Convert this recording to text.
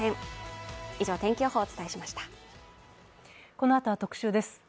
このあとは特集です。